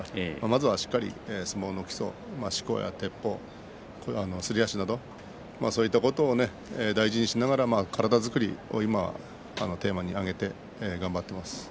しっかり相撲の基礎をしこや、てっぽう、すり足などそういったことを大事にしながら体作りを今テーマに挙げて頑張っています。